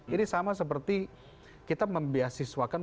ini sama seperti kita membeasiswakan